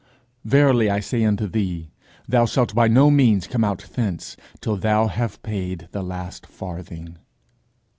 _'Verily I say unto thee, thou shalt by no means come out thence, till thou have paid the last farthing.